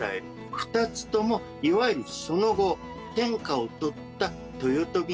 ２つともいわゆるその後天下を取った豊臣秀吉がやる事ですね。